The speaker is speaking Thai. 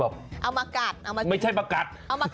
เอามากัดเอามากัดคุณอะไม่ใช่ประกัด